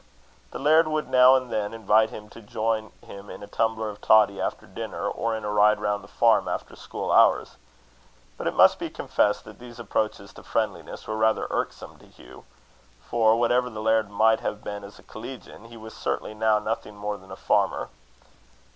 The laird would now and then invite him to join him in a tumbler of toddy after dinner, or in a ride round the farm after school hours. But it must be confessed that these approaches to friendliness were rather irksome to Hugh; for whatever the laird might have been as a collegian, he was certainly now nothing more than a farmer.